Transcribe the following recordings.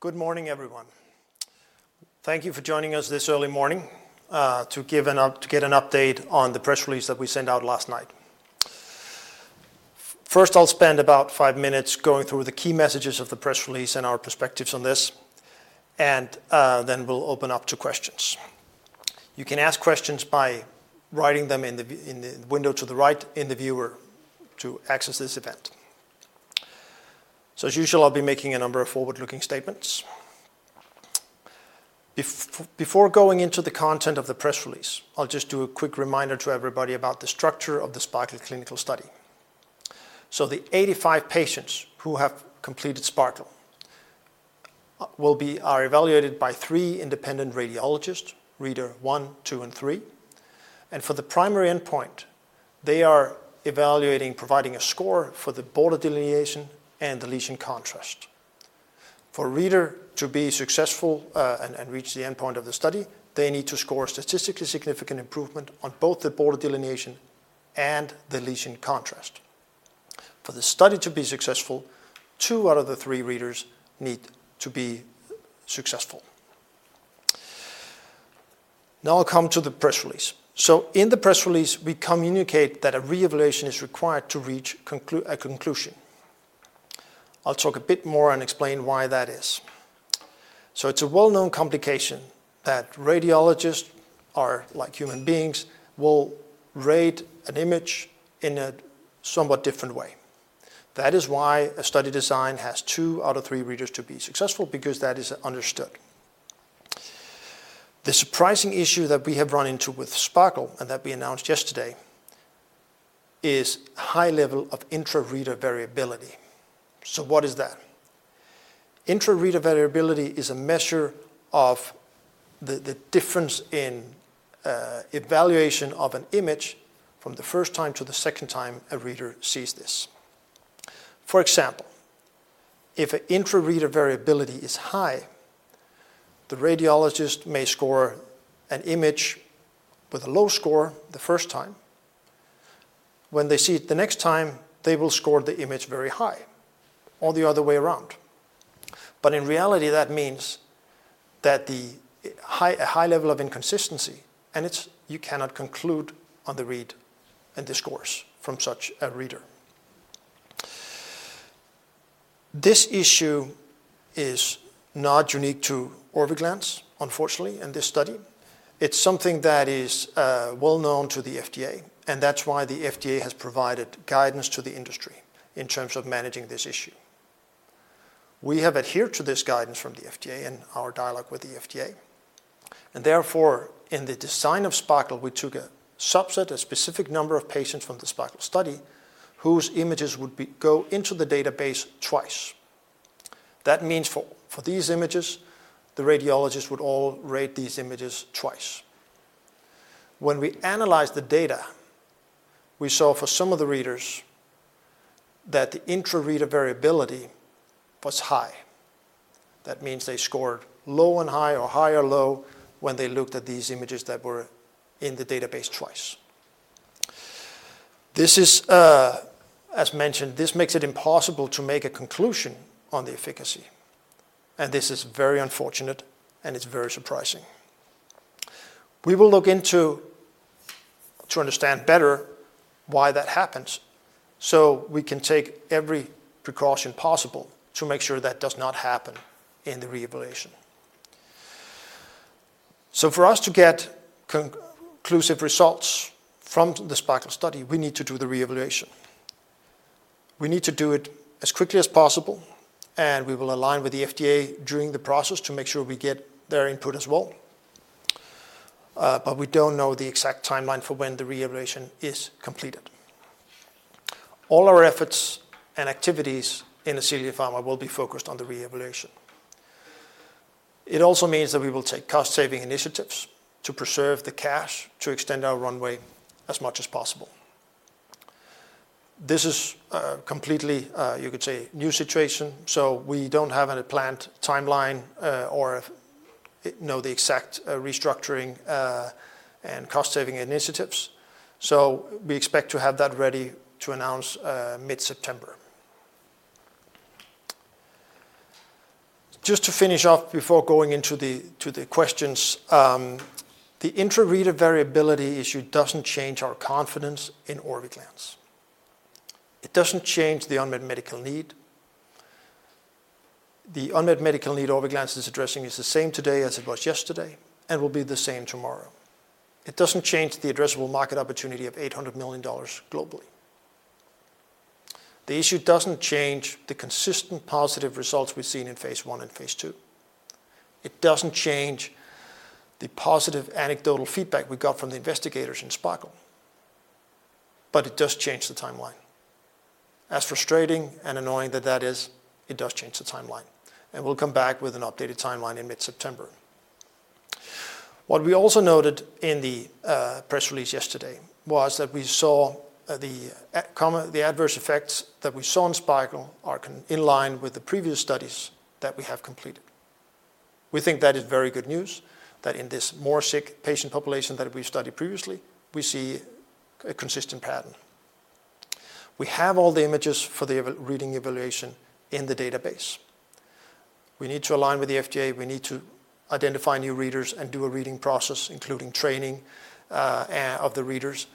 Good morning, everyone. Thank you for joining us this early morning, to get an update on the press release that we sent out last night. First, I'll spend about 5 minutes going through the key messages of the press release and our perspectives on this, and then we'll open up to questions. You can ask questions by writing them in the window to the right in the viewer to access this event. As usual, I'll be making a number of forward-looking statements. Before going into the content of the press release, I'll just do a quick reminder to everybody about the structure of the SPARKLE clinical study. The 85 patients who have completed SPARKLE are evaluated by three independent radiologists, Reader One, two, and three. For the primary endpoint, they are evaluating, providing a score for the border delineation and the lesion contrast. For a reader to be successful, and reach the endpoint of the study, they need to score a statistically significant improvement on both the border delineation and the lesion contrast. For the study to be successful, two out of the three readers need to be successful. I'll come to the press release. In the press release, we communicate that a reevaluation is required to reach a conclusion. I'll talk a bit more and explain why that is. It's a well-known complication that radiologists are, like human beings, will rate an image in a somewhat different way. That is why a study design has two out of three readers to be successful, because that is understood. The surprising issue that we have run into with SPARKLE, and that we announced yesterday, is high level of intra-reader variability. What is that? Intra-reader variability is a measure of the, the difference in evaluation of an image from the first time to the second time a reader sees this. For example, if intra-reader variability is high, the radiologist may score an image with a low score the first time. When they see it the next time, they will score the image very high or the other way around. In reality, that means that the high, a high level of inconsistency, and it's, you cannot conclude on the read and the scores from such a reader. This issue is not unique to Orviglance, unfortunately, in this study. It's something that is well known to the FDA, and that's why the FDA has provided guidance to the industry in terms of managing this issue. We have adhered to this guidance from the FDA in our dialogue with the FDA, and therefore, in the design of SPARKLE, we took a subset, a specific number of patients from the SPARKLE study, whose images would go into the database twice. That means for these images, the radiologists would all rate these images twice. When we analyzed the data, we saw for some of the readers that the intra-reader variability was high. That means they scored low and high or high or low when they looked at these images that were in the database twice. This is, as mentioned, this makes it impossible to make a conclusion on the efficacy, and this is very unfortunate, and it's very surprising. We will look into to understand better why that happens, so we can take every precaution possible to make sure that does not happen in the reevaluation. For us to get conclusive results from the SPARKLE study, we need to do the reevaluation. We need to do it as quickly as possible, and we will align with the FDA during the process to make sure we get their input as well. We don't know the exact timeline for when the reevaluation is completed. All our efforts and activities in Ascelia Pharma will be focused on the reevaluation. It also means that we will take cost-saving initiatives to preserve the cash, to extend our runway as much as possible. This is completely, you could say, new situation, so we don't have any planned timeline, or know the exact restructuring, and cost-saving initiatives, so we expect to have that ready to announce mid-September. Just to finish off before going into the, to the questions, the intra-reader variability issue doesn't change our confidence in Orviglance. It doesn't change the unmet medical need. The unmet medical need Orviglance is addressing is the same today as it was yesterday and will be the same tomorrow. It doesn't change the addressable market opportunity of $800 million globally. The issue doesn't change the consistent positive results we've seen in phase I and phase II. It doesn't change the positive anecdotal feedback we got from the investigators in SPARKLE, but it does change the timeline. As frustrating and annoying that that is, it does change the timeline, and we'll come back with an updated timeline in mid-September. What we also noted in the press release yesterday was that we saw the adverse effects that we saw in SPARKLE are in line with the previous studies that we have completed. We think that is very good news, that in this more sick patient population that we've studied previously, we see a consistent pattern. We have all the images for the reading evaluation in the database. We need to align with the FDA. We need to identify new readers and do a reading process, including training, and of the readers,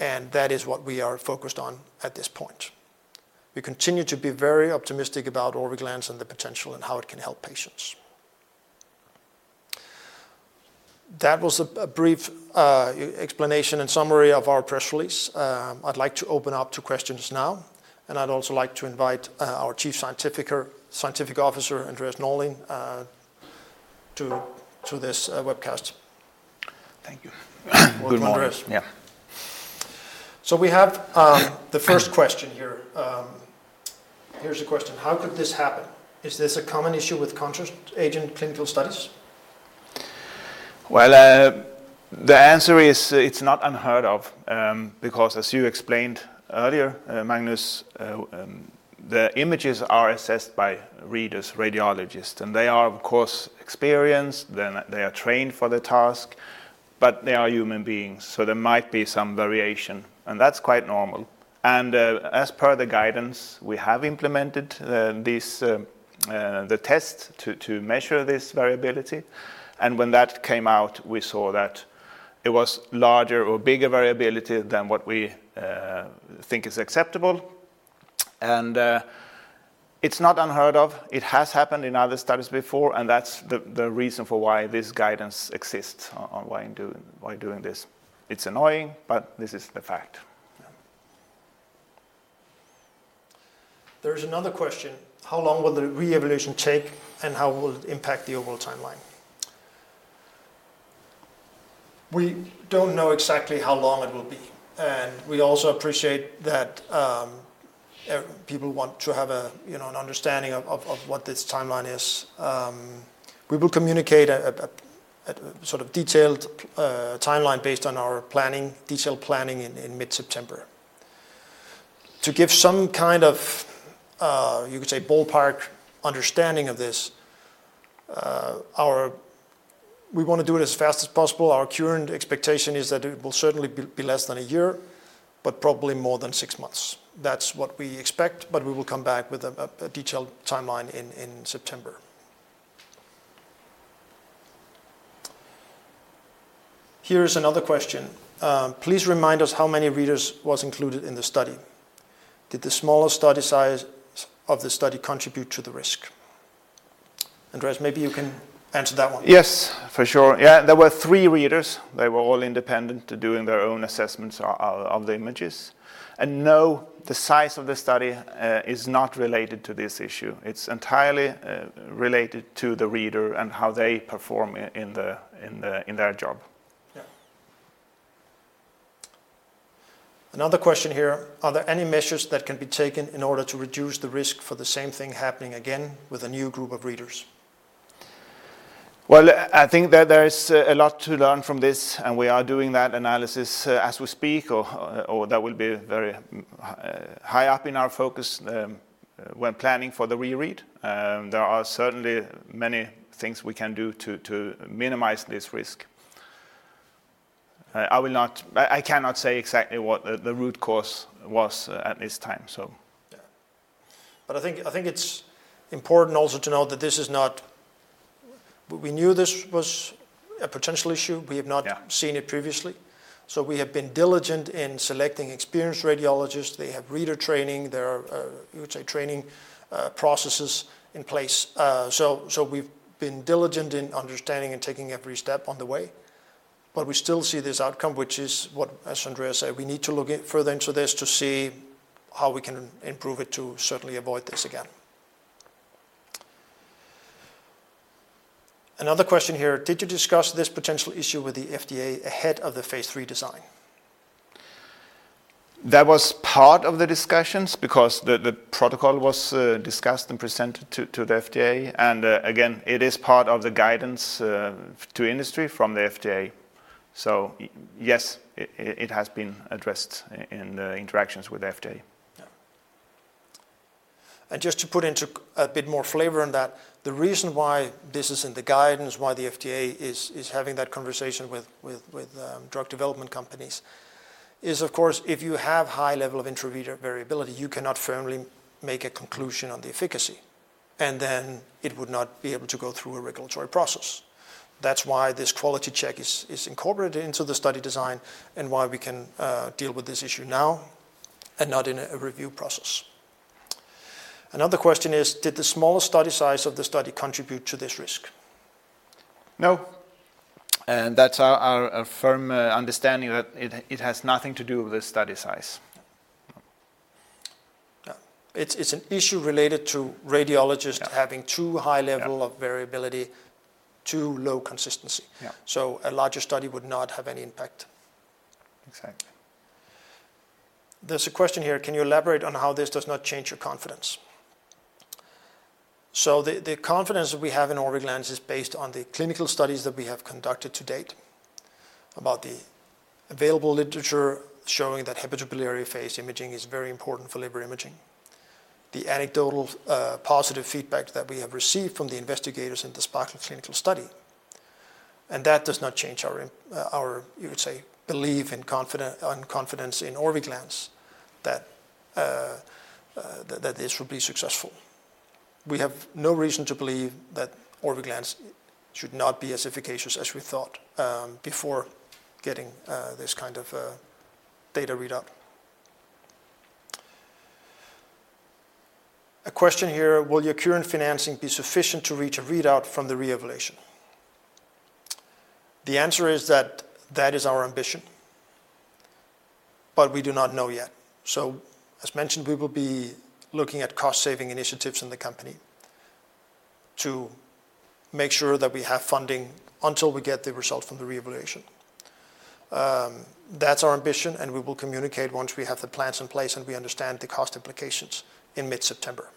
and that is what we are focused on at this point. We continue to be very optimistic about Orviglance and the potential and how it can help patients. That was a, a brief explanation and summary of our press release. I'd like to open up to questions now, and I'd also like to invite our Chief Scientific Officer, Andreas Norlin, to this webcast. Thank you. Good morning. Welcome, Andreas. Yeah. We have, the first question here. Here's a question: How could this happen? Is this a common issue with contrast agent clinical studies? Well, the answer is, it's not unheard of, because as you explained earlier, Magnus, the images are assessed by readers, radiologists, and they are, of course, experienced, then they are trained for the task, but they are human beings, so there might be some variation, and that's quite normal. As per the guidance, we have implemented this, the test to measure this variability, and when that came out, we saw that it was larger or bigger variability than what we think is acceptable. It's not unheard of. It has happened in other studies before, and that's the reason for why this guidance exists on why doing this. It's annoying, but this is the fact. Yeah. There is another question: How long will the re-evaluation take, and how will it impact the overall timeline? We don't know exactly how long it will be, and we also appreciate that people want to have a, you know, an understanding of what this timeline is. We will communicate a sort of detailed timeline based on our planning, detailed planning in mid-September. To give some kind of, you could say, ballpark understanding of this. We want to do it as fast as possible. Our current expectation is that it will certainly be less than a year, but probably more than 6 months. That's what we expect. We will come back with a detailed timeline in September. Here is another question. Please remind us how many readers was included in the study. Did the smaller study size of the study contribute to the risk? Andreas, maybe you can answer that one. Yes, for sure. Yeah, there were three readers. They were all independent to doing their own assessments of the images. No, the size of the study is not related to this issue. It's entirely related to the reader and how they perform in their job. Yeah. Another question here: Are there any measures that can be taken in order to reduce the risk for the same thing happening again with a new group of readers? Well, I think that there is a lot to learn from this, and we are doing that analysis, as we speak, or, or that will be very high up in our focus, when planning for the re-read. There are certainly many things we can do to, to minimize this risk. I cannot say exactly what the, the root cause was at this time. Yeah. I think, I think it's important also to note that this is not... We, we knew this was a potential issue. We have not- Yeah... seen it previously, we have been diligent in selecting experienced radiologists. They have reader training. There are, you would say, training processes in place. We've been diligent in understanding and taking every step on the way, but we still see this outcome, which is what, as Andreas said, we need to look in further into this to see how we can improve it to certainly avoid this again. Another question here: Did you discuss this potential issue with the FDA ahead of the Phase III design? That was part of the discussions because the protocol was discussed and presented to the FDA. Again, it is part of the guidance to industry from the FDA. Yes, it has been addressed in the interactions with the FDA. Yeah. Just to put into a bit more flavor on that, the reason why this is in the guidance, why the FDA is having that conversation with drug development companies, is, of course, if you have high level of intra-reader variability, you cannot firmly make a conclusion on the efficacy, and then it would not be able to go through a regulatory process. That's why this quality check is incorporated into the study design and why we can deal with this issue now and not in a review process. Another question is: Did the small study size of the study contribute to this risk? No, that's our, our, our firm understanding, that it, it has nothing to do with the study size. Yeah. It's, it's an issue related to radiologists... Yeah... having too high level- Yeah... of variability, too low consistency. Yeah. A larger study would not have any impact. Exactly. There's a question here: Can you elaborate on how this does not change your confidence? The confidence that we have in Orviglance is based on the clinical studies that we have conducted to date, about the available literature showing that hepatobiliary phase imaging is very important for liver imaging, the anecdotal positive feedback that we have received from the investigators in the SPARKLE clinical study, and that does not change our, our, you would say, belief and confidence in Orviglance, that, that this will be successful. We have no reason to believe that Orviglance should not be as efficacious as we thought, before getting this kind of data readout. A question here: Will your current financing be sufficient to reach a readout from the re-evaluation? The answer is that that is our ambition, but we do not know yet. As mentioned, we will be looking at cost-saving initiatives in the company to make sure that we have funding until we get the result from the re-evaluation. That's our ambition, and we will communicate once we have the plans in place and we understand the cost implications in mid-September.